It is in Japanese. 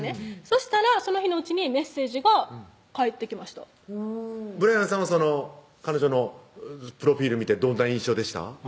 そしたらその日のうちにメッセージが返ってきましたブライアンさんは彼女のプロフィール見てどんな印象でした？